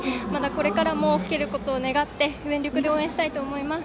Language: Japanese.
これからも吹けることを願って全力で応援したいと思います。